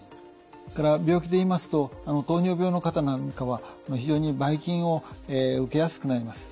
それから病気で言いますと糖尿病の方なんかは非常にばい菌を受けやすくなります。